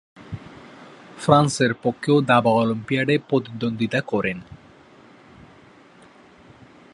ফ্রান্সের পক্ষেও দাবা অলিম্পিয়াডে প্রতিদ্বন্দ্বিতা করেন।